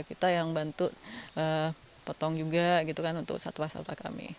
kita yang bantu potong juga untuk satwa satwa kami